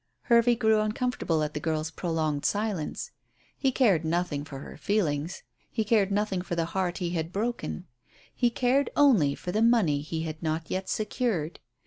Hervey grew uncomfortable at the girl's prolonged silence. He cared nothing for her feelings; he cared nothing for the heart he had broken. He cared only for the money he had not yet secured.